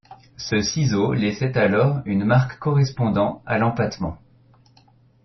Ce ciseau laissait alors une marque correspondant à l'empattement.